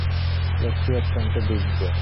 লোকটি অত্যন্ত বিজ্ঞ।